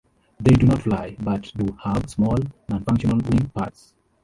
They do not fly, but do have small, nonfunctional wing pads.